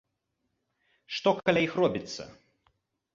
Што каля іх робіцца?!